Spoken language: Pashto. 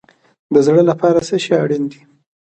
د زړه لپاره څه شی اړین دی؟